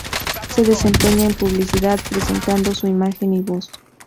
Se desempeña en publicidad prestando su imagen y voz.